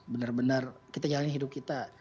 benar benar kita jalani hidup kita